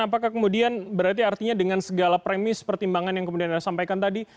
apakah kemudian berarti artinya dengan segala premis pertimbangan yang kemudian anda sampaikan tadi